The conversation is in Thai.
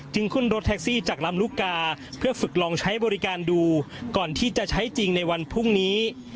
ขึ้นรถแท็กซี่จากลำลูกกาเพื่อฝึกลองใช้บริการดูก่อนที่จะใช้จริงในวันพรุ่งนี้